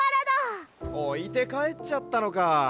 おいてかえっちゃったのか。